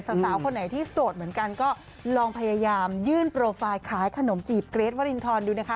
สาวคนไหนที่โสดเหมือนกันก็ลองพยายามยื่นโปรไฟล์ขายขนมจีบเกรทวรินทรดูนะคะ